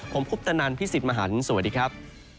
ผมพุทธนันทร์พี่สิทธิ์มหันธ์สวัสดีครับ